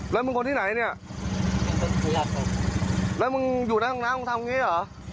แล้วมึงคนที่ไหนเนี่ยแล้วมึงอยู่หน้าห้องน้ำมึงทำอย่างงี้เหรอ